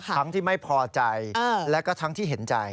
ที่ไม่พอใจและก็ทั้งที่เห็นใจ